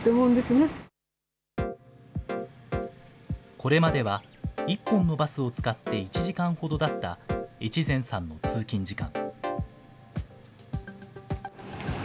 これまでは１本のバスを使って１時間ほどだった越前さんの通勤時間。